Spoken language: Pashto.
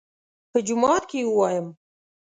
_په جومات کې يې وايم.